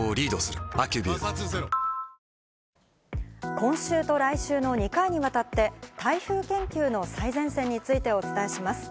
今週と来週の２回にわたって、台風研究の最前線についてお伝えします。